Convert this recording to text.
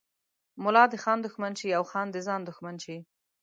ملا د خان دښمن شي او خان د ځان دښمن شي.